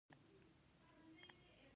پور مي ورکړ او پور مې ورکړ؛ توپير سره لري.